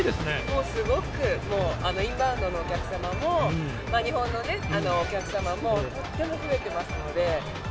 もうすごく、インバウンドのお客様も日本のお客様も、とっても増えてますので。